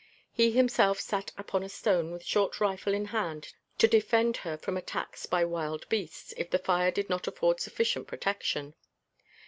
He himself sat upon a stone with short rifle in hand to defend her from attacks by wild beasts, if the fire did not afford sufficient protection.